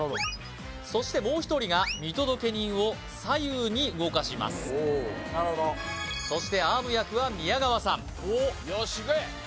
そしてもう一人が見届け人を左右に動かしますそしてアーム役は宮川さん・おおっよーしいけ！